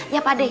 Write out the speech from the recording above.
ya pak deh